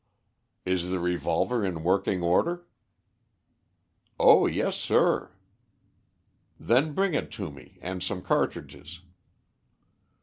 "Is the revolver in working order?" "Oh yes, sir." "Then bring it to me and some cartridges."